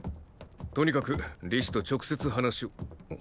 とにかく李斯と直接話を！